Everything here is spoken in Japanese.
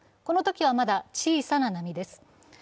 このときは、まだ小さな波です。